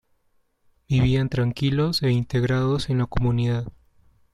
Vivían tranquilos e integrados en la comunidad.